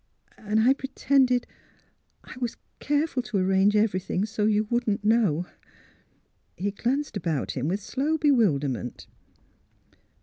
And I pretended — I was careful to ar range everything — so you wouldn't know." He glanced about him with slow bewilderment.